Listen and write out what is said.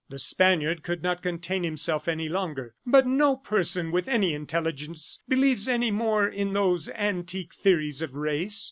The Spaniard could not contain himself any longer. "But no person with any intelligence believes any more in those antique theories of race!